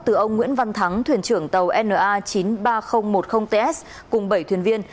từ ông nguyễn văn thắng thuyền trưởng tàu na chín mươi ba nghìn một mươi ts cùng bảy thuyền viên